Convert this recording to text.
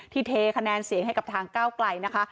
เทคะแนนเสียงให้กับทางก้าวไกลนะคะ